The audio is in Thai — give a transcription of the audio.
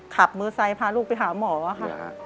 ขับมอเซพาลูกไปหาหมอค่ะ